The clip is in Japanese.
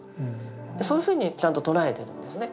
そういうふうにちゃんと捉えてるんですね。